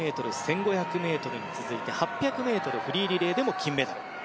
４００ｍ、１５００ｍに続いて８００ｍフリーリレーでも金メダル。